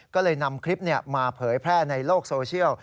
ก็เลยนำคลิปมาเผยแพร่ในโลกโซเชียล